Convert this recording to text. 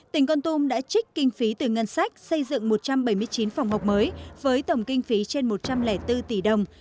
tỉnh con tum đã trích kinh phí từ ngân sách xây dựng một trăm bảy mươi chín phòng học mới với tổng kinh phí trên một trăm linh bốn tỷ đồng